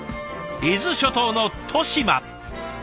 伊豆諸島の利島。